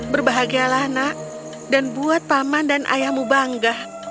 berbahagialah nak dan buat paman dan ayahmu bangga